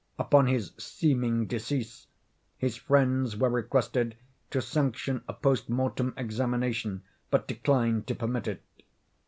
Upon his seeming decease, his friends were requested to sanction a post mortem examination, but declined to permit it.